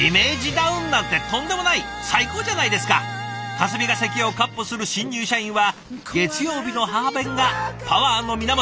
霞が関をかっ歩する新入社員は月曜日の母弁がパワーの源。